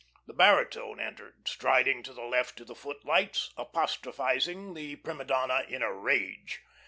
The baritone entered, striding to the left of the footlights, apostrophising the prima donna in a rage.